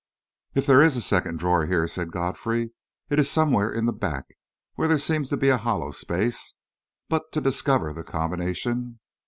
"If there is a secret drawer here," said Godfrey, "it is somewhere in the back, where there seems to be a hollow space. But to discover the combination...."